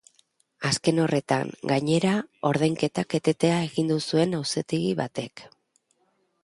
Azken horretan, gainera, ordainketak etetea agindu zuen auzitegi batek.